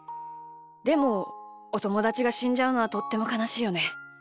でもおともだちがしんじゃうのはとってもかなしいよね。